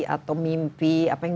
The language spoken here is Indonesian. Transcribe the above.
atau mimpi apa yang